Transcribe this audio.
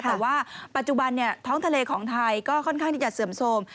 แต่ว่าปัจจุบันท้องทะเลของไทยก็ค่อนข้างที่จะเสื่อมโทรม